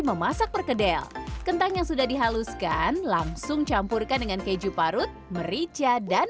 memasak perkedel kentang yang sudah dihaluskan langsung campurkan dengan keju parut merica dan